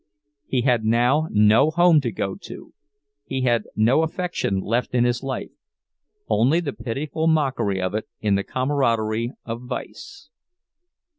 He had now no home to go to; he had no affection left in his life—only the pitiful mockery of it in the camaraderie of vice.